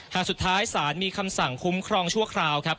หากสุดท้ายศาลมีคำสั่งคุ้มครองชั่วคราวครับ